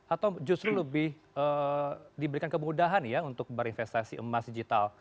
atau justru lebih diberikan kemudahan ya untuk berinvestasi emas digital